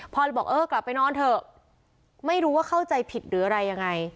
เลยบอกเออกลับไปนอนเถอะไม่รู้ว่าเข้าใจผิดหรืออะไรยังไง